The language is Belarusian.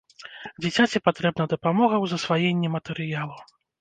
Дзіцяці патрэбна дапамога ў засваенні матэрыялу.